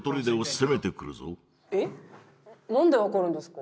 何で分かるんですか？